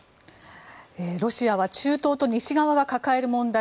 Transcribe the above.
ロシアは中東と西側が抱える問題